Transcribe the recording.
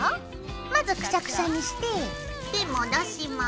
まずくしゃくしゃにしてで戻します。